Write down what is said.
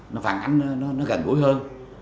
nó phản ánh nó gần gũi hơn